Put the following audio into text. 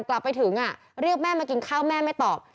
กลับไปถึงเรียกแม่มากินข้าวแม่ไม่ตอบ